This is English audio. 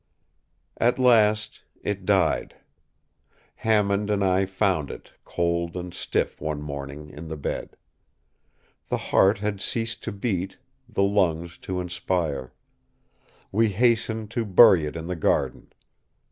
At last it died. Hammond and I found it cold and stiff one morning in the bed. The heart had ceased to beat, the lungs to inspire. We hastened to bury it in the garden.